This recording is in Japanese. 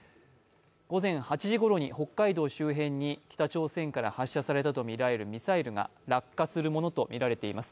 午前８時ごろに北海道周辺に北朝鮮から発射したとみられるミサイルが落下するものとみられています。